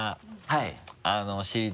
はい。